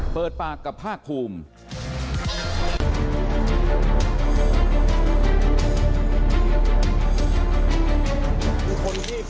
เปิดปากกับภาคภูมิ